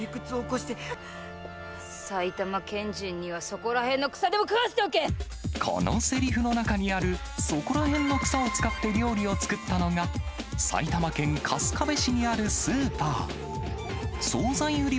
埼玉県人には、そこらへんのこのせりふの中にある、そこらへんの草を使って料理を作ったのが、埼玉県春日部市にあるスーパー。